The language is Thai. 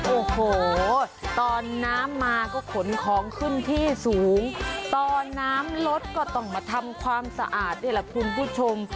โอ้โหตอนน้ำมาก็ขนของขึ้นที่สูงตอนน้ำลดก็ต้องมาทำความสะอาดนี่แหละคุณผู้ชม